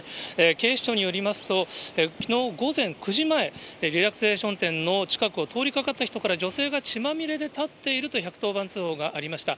警視庁によりますと、きのう午前９時前、リラクゼーション店の近くを通りかかった人から、女性が血まみれで立っていると１１０番通報がありました。